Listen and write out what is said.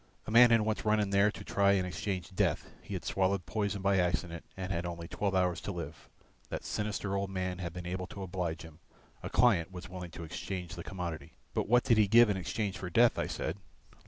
A man had once run in there to try and exchange death, he had swallowed poison by accident and had only twelve hours to live. That sinister old man had been able to oblige him. A client was willing to exchange the commodity. "But what did he give in exchange for death?" I said.